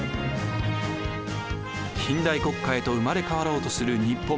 近代国家へと生まれ変わろうとする日本。